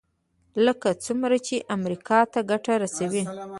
لکه څومره چې امریکا ته ګټه رسوي.